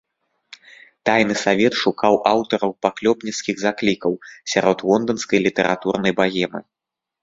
Тайны савет шукаў аўтараў паклёпніцкіх заклікаў сярод лонданскай літаратурнай багемы.